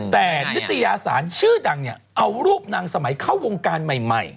แต่นิตยาศาลชื่อดังเนี่ยเอารูปนางสมัยเข้าวงการใหม่